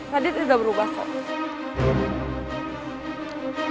radit udah berubah kok